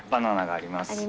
あります。